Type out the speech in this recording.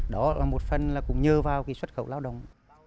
đó là một phần là cũng nhờ vào cái xuất khẩu lao động